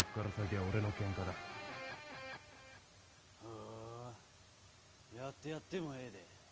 ほうやってやってもええで。